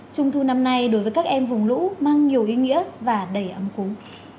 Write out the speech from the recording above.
trung thu năm nay đối với các em vùng lũ mang nhiều ý nghĩa và đầy ấm cúng